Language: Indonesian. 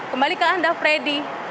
kembali ke anda freddy